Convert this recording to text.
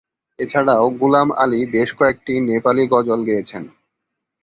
এছাড়াও গুলাম আলী বেশ কয়েকটি নেপালী গজল গেয়েছেন।